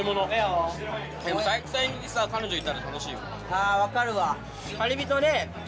あ分かるわ。